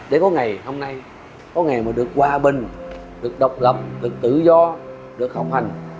để có ngày hôm nay có ngày mà được hòa bình được độc lập được tự do được không hành